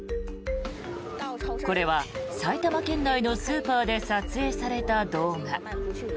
これは埼玉県内のスーパーで撮影された動画。